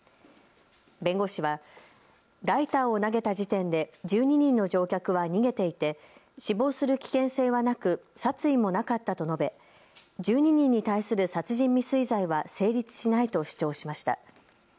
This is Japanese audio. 弁護士はライターを投げた時点で１２人の乗客は逃げていて死亡する危険性はなく殺意もなかったと述べ１２人に対する殺人未遂罪は成立しないと主張しました。